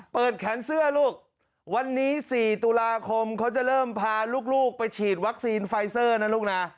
แขนเสื้อลูกวันนี้๔ตุลาคมเขาจะเริ่มพาลูกไปฉีดวัคซีนไฟเซอร์นะลูกนะ